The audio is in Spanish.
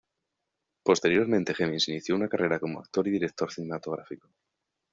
Posteriormente Hemmings inició una carrera como actor y director cinematográfico.